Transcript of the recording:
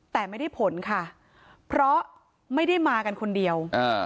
แต่ไม่ได้ผลค่ะเพราะไม่ได้มากันคนเดียวอ่า